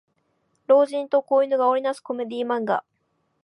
老人と子犬が織りなすコメディ漫画